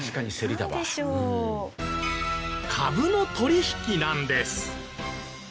株の取引なんです。